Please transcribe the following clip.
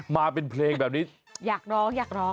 มาเป็นเพลงแบบนี้อยากร้องอยากร้อง